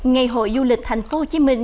ngày hội du lịch thành phố hồ chí minh